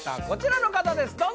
こちらの方です